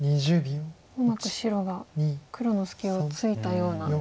うまく白が黒の隙をついたような。